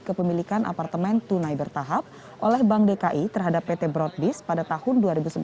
kepemilikan apartemen tunai bertahap oleh bank dki terhadap pt broadbis pada tahun dua ribu sebelas